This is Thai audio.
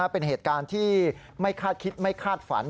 เป็นเหตุการณ์ที่ไม่คาดคิดไม่คาดฝัน